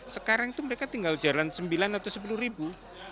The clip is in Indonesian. sekarang itu mereka tinggal jalan sembilan atau sepuluh ribu